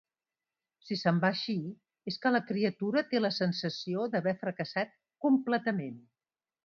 Si se'n va així, és que la criatura té la sensació d'haver fracassat completament.